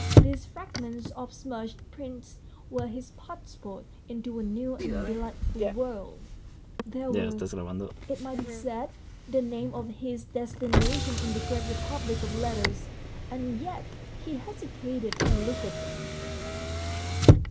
These frag ments of smudged prints were his passport into a new and delightful world ; they were, it might be said, the name of his destination in the great republic of letters, and yet he hesitated to look at them.